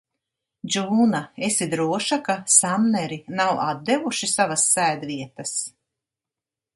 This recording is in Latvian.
Džūna, esi droša, ka Samneri nav atdevuši savas sēdvietas?